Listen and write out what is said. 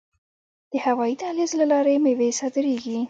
د هوایی دهلیز له لارې میوې صادریږي.